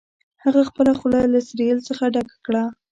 هغه خپله خوله له سیریل څخه ډکه کړه